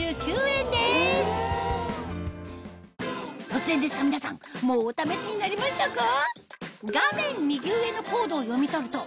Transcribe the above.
突然ですが皆さんもうお試しになりましたか？